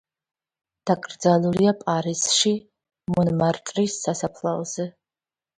დაკრძალულია პარიზში, მონმარტრის სასაფლაოზე.